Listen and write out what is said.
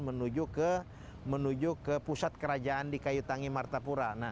menuju ke pusat kerajaan di kayu tangi martapura